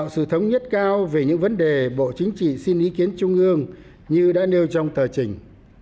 sự thống nhất cao về những vấn đề bộ chính trị xin ý kiến trung ương như đã nêu trong tờ trình